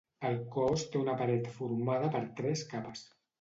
El cos té una paret formada per tres capes.